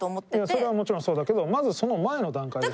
それはもちろんそうだけどまずその前の段階でしょ？